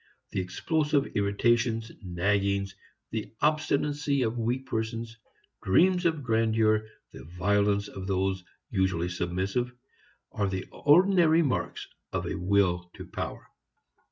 Explosive irritations, naggings, the obstinacy of weak persons, dreams of grandeur, the violence of those usually submissive are the ordinary marks of a will to power.